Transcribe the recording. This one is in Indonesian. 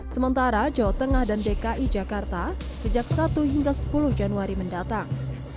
sementara jawa tengah dan dki jakarta sejak satu hingga sepuluh januari mendatang